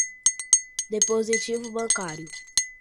depósito bancário